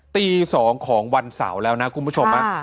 ตี๒ของวันเสาร์แล้วนะคุณผู้ชม